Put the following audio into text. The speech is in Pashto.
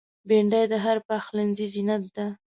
بېنډۍ د هر پخلنځي زینت ده